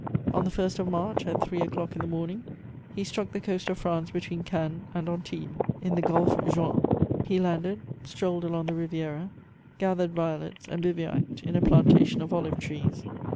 On the 1st of March, at three o'clock in the morning, he struck the coast of France between Cannes and Antibes, in the Golfe Jouan; he landed, strolled along the riviera, gathered violets, and bivouacked in a plantation of olive trees.